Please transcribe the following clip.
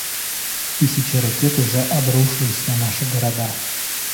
Тысячи ракет уже обрушились на наши города.